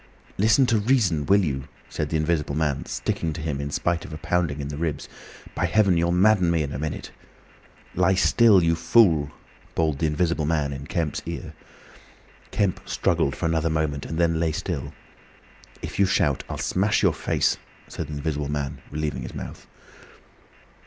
"Listen to reason, will you?" said the Invisible Man, sticking to him in spite of a pounding in the ribs. "By Heaven! you'll madden me in a minute! "Lie still, you fool!" bawled the Invisible Man in Kemp's ear. Kemp struggled for another moment and then lay still. "If you shout, I'll smash your face," said the Invisible Man, relieving his mouth.